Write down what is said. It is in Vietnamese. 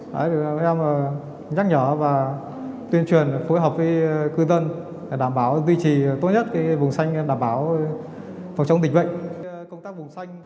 đã được nhắc nhở và tuyên truyền phối hợp với cư dân đảm bảo duy trì tốt nhất bùng xanh đảm bảo phòng chống dịch bệnh